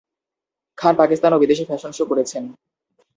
খান পাকিস্তান ও বিদেশে fashion show করেছেন।